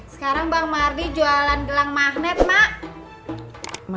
sekarang bang mardi jualan gelang magnet pak